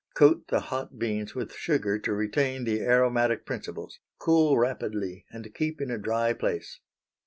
Coat the hot beans with sugar to retain the aromatic principles; cool rapidly and keep in a dry place.